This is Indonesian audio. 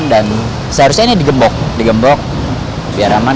dan seharusnya ini digembok digembok biar aman